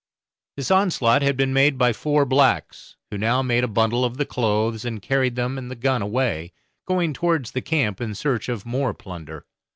This onslaught had been made by four blacks, who now made a bundle of the clothes, and carried them and the gun away, going towards the camp in search of more plunder.